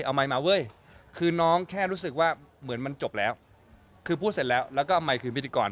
เอาไมค์มาเว้ยคือน้องแค่รู้สึกว่าเหมือนมันจบแล้วคือพูดเสร็จแล้วแล้วก็เอาไมค์คืนพิธีกร